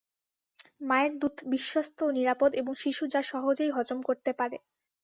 মায়ের দুধ বিশ্বস্ত ও নিরাপদ এবং শিশু যা সহজেই হজম করতে পারে।